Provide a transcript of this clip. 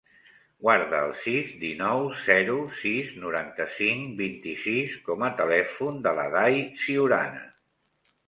Guarda el sis, dinou, zero, sis, noranta-cinc, vint-i-sis com a telèfon de l'Aday Ciurana.